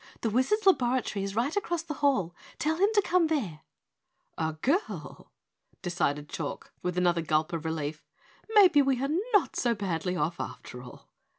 The Wizard's laboratory is right across the hall. Tell him to come there." "A girl!" decided Chalk with another gulp of relief. "Maybe we are not so badly off, after all!"